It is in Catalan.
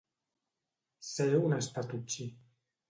Ser un espatotxí.